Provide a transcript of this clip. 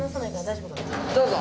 どうぞ。